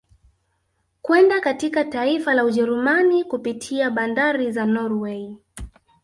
Kwenda katika taifa la Ujerumani kupitia bandari za Norway